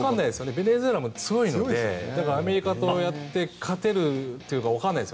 ベネズエラも強いのでアメリカとやって勝てるというかわからないです。